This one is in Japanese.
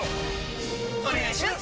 お願いします！！！